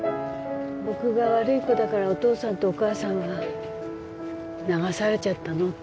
「僕が悪い子だからお父さんとお母さんは流されちゃったの？」